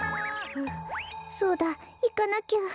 んっそうだいかなきゃ。